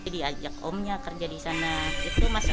dia ajak omnya kerja di sana